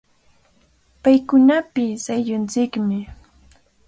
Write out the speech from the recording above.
Paykunapish ayllunchikmi.